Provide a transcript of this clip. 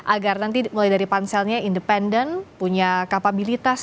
agar nanti mulai dari panselnya independen punya kapabilitas